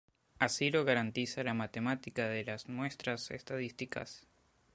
Así lo garantiza la matemática de las muestras estadísticas.